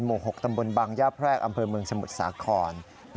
หมู่๖ตำบลบางย่าแพรกอำเภอเมืองสมุทรสาคร